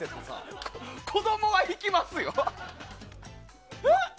子供は引きますよ。